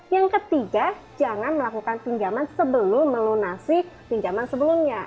yang ketiga jangan melakukan pinjaman sebelum melunasi pinjaman sebelumnya